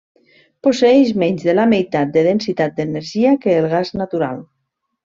Posseeix menys de la meitat de densitat d'energia que el gas natural.